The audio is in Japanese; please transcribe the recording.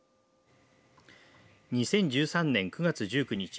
２０１３年９月１９日